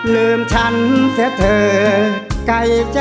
ลืมฉันเสียเธอไก่จ้า